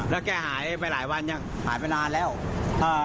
แล้วแกหายไปหลายวันยังหายไปนานแล้วอ่า